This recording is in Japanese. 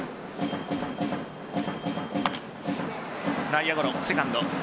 内野ゴロ、セカンド。